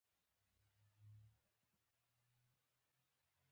که دې مرسته راسره وکړه.